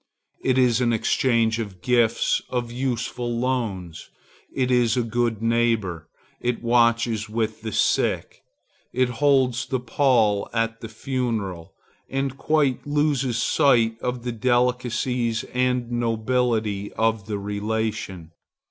It is an exchange of gifts, of useful loans; it is good neighborhood; it watches with the sick; it holds the pall at the funeral; and quite loses sight of the delicacies and nobility of the relation.